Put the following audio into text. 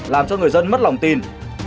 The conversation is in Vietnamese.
làm cho người dân mất lòng tin